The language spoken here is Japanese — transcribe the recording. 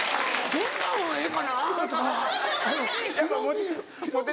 そんなにええかな？とか。